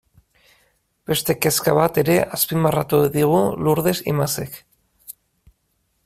Beste kezka bat ere azpimarratu digu Lurdes Imazek.